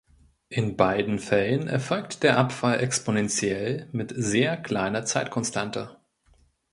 In beiden Fällen erfolgt der Abfall exponentiell mit sehr kleiner Zeitkonstante.